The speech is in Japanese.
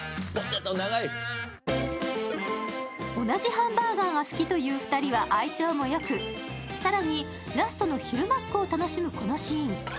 同じハンバーガーが好きという２人は相性もよく、更にラストの昼マックを楽しむこのシーン。